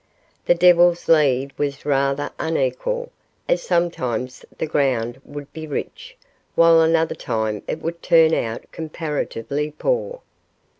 The Devil's Lead was rather unequal, as sometimes the ground would be rich, while another time it would turn out comparatively poor.